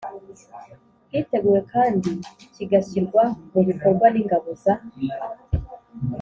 hiteguwe kand kigashyirwa mu bikorwa n'ingabo za